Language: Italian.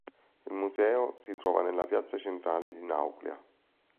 Il museo si trova nella piazza centrale di Nauplia.